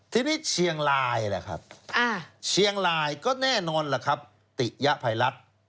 ทีนี้เชียงรายล่ะครับเชียงรายก็แน่นอนล่ะครับติยภัยรัฐ